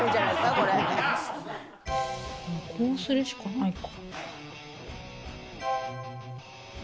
こうするしかないか。